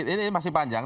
ini masih panjang